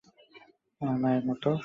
আমার মায়ের মতো!